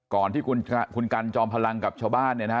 ก่อนที่คุณกันจอมพลังกับชาวบ้านเนี่ยนะฮะ